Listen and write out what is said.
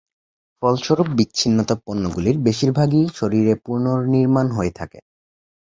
ফলস্বরূপ বিচ্ছিন্নতা পণ্যগুলির বেশিরভাগই শরীরে পুনর্নির্মাণ হয়ে থাকে।